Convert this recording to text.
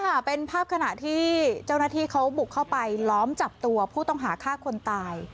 ค่ะเป็นภาพขณะที่เจ้าหน้าที่เขาบุกเข้าไปล้อมจับตัวผู้ต้องหาฆ่าคนตาย